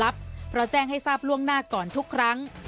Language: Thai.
เพราะแจ้งให้ทราบล่วงหน้าก่อนทุกครั้ง